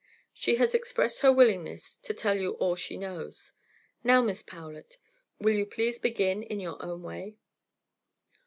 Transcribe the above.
She has expressed her willingness to tell you all she knows. Now, Miss Powlett, will you please begin in your own way."